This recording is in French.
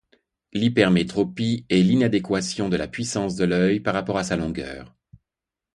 L’hypermétropie est l'inadéquation de la puissance de l'œil par rapport à sa longueur.